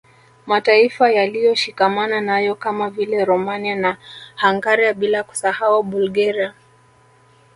Mataifa yaliyoshikamana nayo kama vile Romania na Hungaria bila kusahau Bulgaria